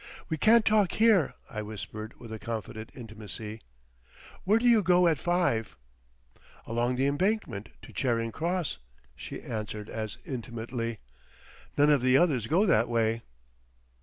"We can't talk here," I whispered with a confident intimacy. "Where do you go at five?" "Along the Embankment to Charing Cross," she answered as intimately. "None of the others go that way..."